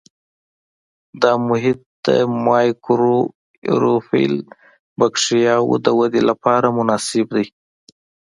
دا محیط د مایکروآیروفیل بکټریاوو د ودې لپاره مناسب دی.